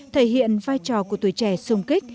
thể hiện vai trò của tuổi trẻ sung kích